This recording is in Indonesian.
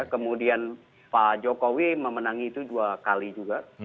kemudian pak jokowi memenangi itu dua kali juga